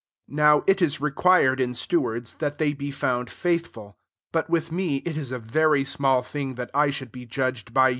2 Now it is required in stewards that they be found faithful. 3 But with me it is a very small thing that I should be judged by you, or • i.